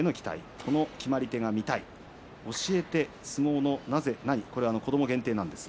この決まり手が見たい教えて相撲のなぜなにこれは子ども限定です。